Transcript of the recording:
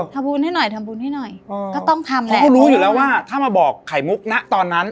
ทำบุญให้หน่อยทำบุญให้หน่อยก็ต้องทำแล้วเขารู้อยู่แล้วว่าถ้ามาบอกไข่มุกณตอนนั้น